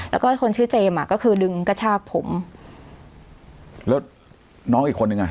แล้วก็คนชื่อเจมส์อ่ะก็คือดึงกระชากผมแล้วน้องอีกคนนึงอ่ะ